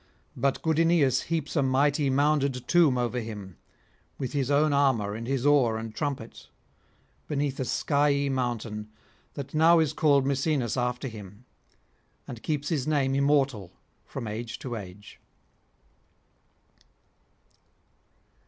But good Aeneas heaps a mighty mounded tomb over him, with his own armour and his oar and trumpet, beneath a skyey mountain that now is called Misenus after him, and keeps his name immortal from age to age.